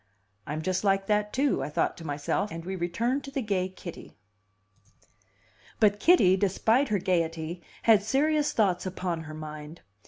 "I'm just like that, too," I thought to myself; and we returned to the gay Kitty. But Kitty, despite her gayety, had serious thoughts upon her mind.